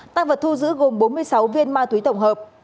tăng vật thu giữ gồm bốn mươi sáu viên ma túy tổng hợp